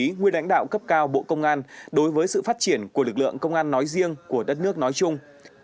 đồng chí nguyên đánh đạo cấp cao bộ công an đối với sự phát triển của lực lượng công an nói riêng của đất nước nói chung